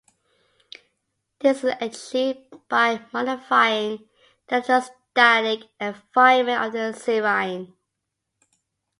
This is achieved by modifying the electrostatic environment of the serine.